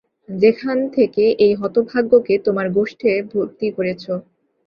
যেখান থেকে এই হতভাগ্যকে তোমার গোষ্ঠে ভরতি করেছ।